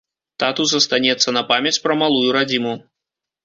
Тату застанецца на памяць пра малую радзіму.